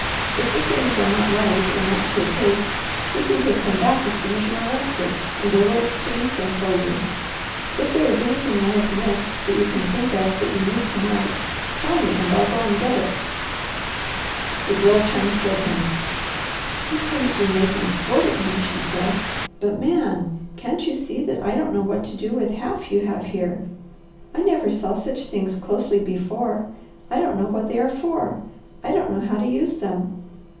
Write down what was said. If the things are not right or not to your taste, you can take them back as soon as you are rested, and they will exchange them for you. If there is anything I have missed that you can think of that you need to night, tell me and I'll go and get it." The Girl turned toward him. "You couldn't be making sport of me," she said, "but Man! Can't you see that I don't know what to do with half you have here? I never saw such things closely before. I don't know what they are for. I don't know how to use them.